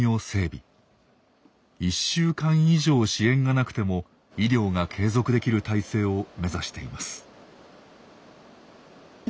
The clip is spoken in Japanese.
１週間以上支援がなくても医療が継続できる体制を目指しています。